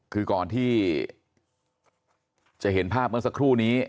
คือก่อนที่จะเห็นภาพเมื่อสักครู่นี้